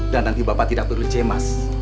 dan nanti bapak tidak terliceh mas